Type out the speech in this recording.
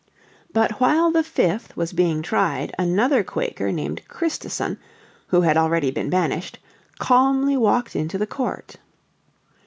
But while the fifth was being tried another Quaker named Christison, who had already been banished, calmly walked into the court.